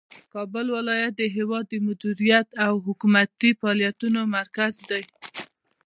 کابل ولایت د هیواد د مدیریت او حکومتي فعالیتونو مرکز دی.